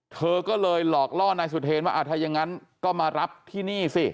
เธอก็เลยหลอกล่อนายสุเทรนว่าถ้าอย่างนั้นก็มารับที่นี่สิ